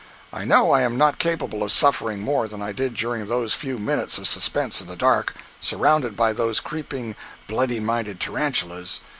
I know I am not capable of suffering more than I did during those few minutes of suspense in the dark, surrounded by those creeping, bloody minded tarantulas.